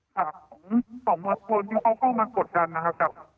ของผู้เข้าก็มากดดันค่ะ